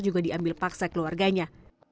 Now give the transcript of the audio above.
juga diambil paksa keluarganya